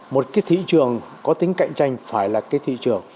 một cái thị trường có tính cạnh tranh phải là cái thị trường